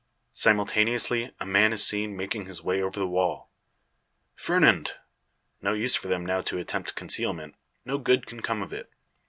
Simultaneously a man is seen making his way over the wall. "Fernand!" No use for them now to attempt concealment; no good can come of it.